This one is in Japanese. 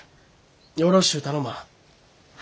よろしゅう頼まあ。